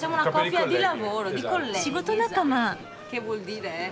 仕事仲間。